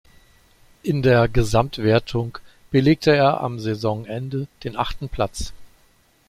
In der Gesamtwertung belegte er am Saisonende den achten Platz.